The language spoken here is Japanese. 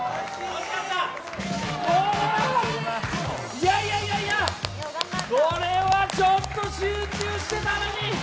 いやいやいやいや、これはちょっと集中してたのに！